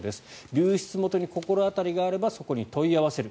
流出もとに心当たりがあればそこに問い合わせる。